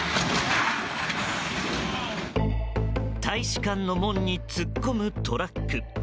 大使館の門に突っ込むトラック。